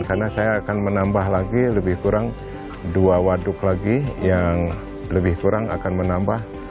karena saya akan menambah lagi lebih kurang dua waduk lagi yang lebih kurang akan menambah